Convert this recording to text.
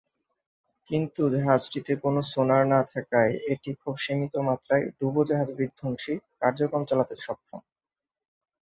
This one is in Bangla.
কিন্তু জাহাজটিতে কোন সোনার না থাকায় এটি খুব সীমিত মাত্রায় ডুবোজাহাজ-বিধ্বংসী কার্যক্রম চালাতে সক্ষম।